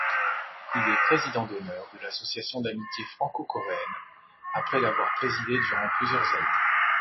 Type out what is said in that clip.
Il est président d'honneur de l'Association d'amitié franco-coréenne, après l'avoir présidée durant plusieurs années.